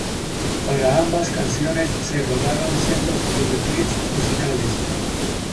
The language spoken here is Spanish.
Para ambas canciones se rodaron sendos videoclips musicales.